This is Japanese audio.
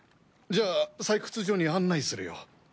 じゃあ採掘所に案内するよ。